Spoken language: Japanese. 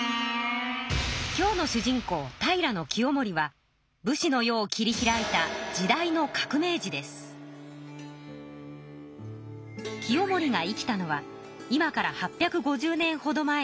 今日の主人公武士の世を切り開いた清盛が生きたのは今から８５０年ほど前の平安時代。